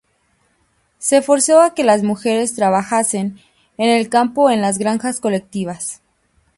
Se forzó a que las mujeres trabajasen en el campo en las granjas colectivas.